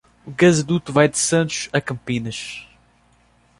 O gasoduto vai de Santos à Campinas